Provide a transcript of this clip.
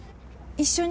一緒に？